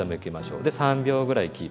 で３秒ぐらいキープね。